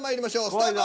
スタート！